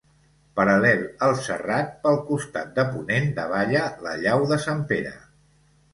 Paral·lel al serrat, pel costat de ponent, davalla la llau de Sant Pere.